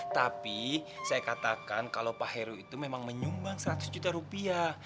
tapi saya katakan kalau pak heru itu memang menyumbang seratus juta rupiah